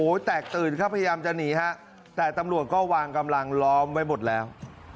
แตกตื่นครับพยายามจะหนีฮะแต่ตำรวจก็วางกำลังล้อมไว้หมดแล้ว